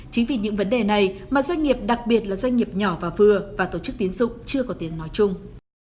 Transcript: chính vì những vấn đề này mà doanh nghiệp đặc biệt là doanh nghiệp nhỏ và vừa và tổ chức tiến dụng chưa có tiếng nói chung